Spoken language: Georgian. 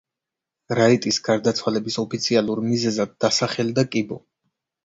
რაიტის გარდაცვალების ოფიციალურ მიზეზად დასახელდა კიბო.